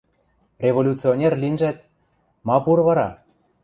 Революционер линжӓт, ма пуры вара?